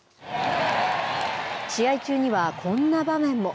試合中にはこんな場面も。